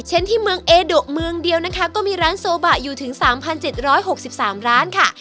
เช่นที่เมืองเอดุเมืองเดียวนะคะก็มีร้านโซบะอยู่ถึง๓๗๖๓ร้านค่ะ